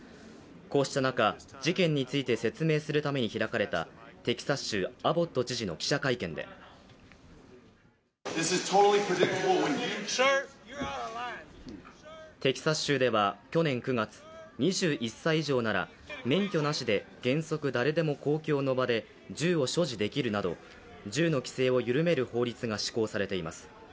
こうした中、事件について説明するために開かれたテキサス州・アボット知事の記者会見でテキサス州では去年９月、２１歳以上なら免許なしで原則誰でも公共の場で銃を所持できるなど銃の規制を緩める法律が施行されています。